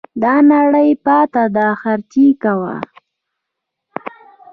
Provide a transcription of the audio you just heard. دا نړۍ پاته ده خرچې کوه